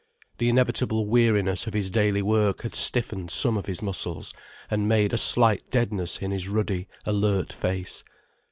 The inevitable weariness of his daily work had stiffened some of his muscles, and made a slight deadness in his ruddy, alert face.